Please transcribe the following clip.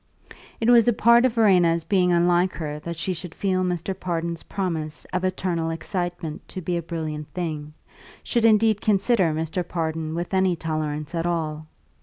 It was a part of Verena's being unlike her that she should feel Mr. Pardon's promise of eternal excitement to be a brilliant thing, should indeed consider Mr. Pardon with any tolerance at all.